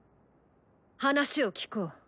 話を聞こう。